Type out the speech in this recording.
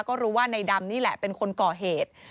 ก็รู้ว่าในดำนี่แหละเป็นคนก่อเหตุ